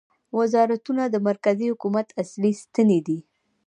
وزارتونه د مرکزي حکومت اصلي ستنې دي